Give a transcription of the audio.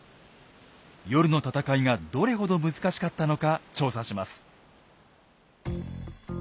夜の戦いがどれほど難しかったのか調査します。